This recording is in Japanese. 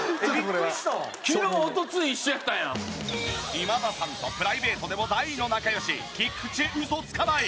今田さんとプライベートでも大の仲良しキクチウソツカナイ。。